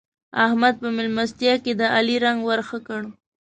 احمد په مېلمستيا کې د علي رنګ ور ښه کړ.